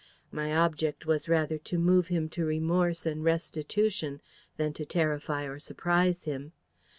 My object was rather to move him to remorse and restitution than to terrify or surprise him.